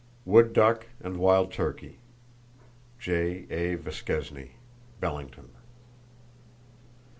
Wood duck and wild turkey.—(J.A. Viquesney, Belington.)